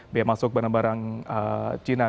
biaya masuk barang barang china